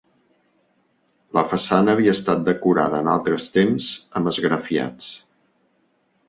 La façana havia estat decorada en altres temps amb esgrafiats.